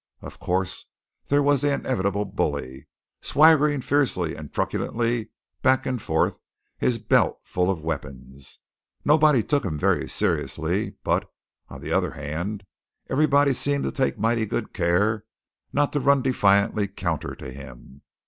Of course there was the inevitable bully, swaggering fiercely and truculently back and forth, his belt full of weapons. Nobody took him very seriously; but, on the other hand, everybody seemed to take mighty good care not to run definitely counter to him.